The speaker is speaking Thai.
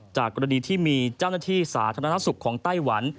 กรณีที่มีเจ้าหน้าที่สาธารณสุขของไต้หวัน